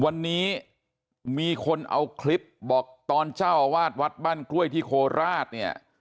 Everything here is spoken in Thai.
วันนี้มีคนเอาคลิปบอกตอนเจ้าอาวาสวัดบ้านกล้วยที่โคราชเนี่ย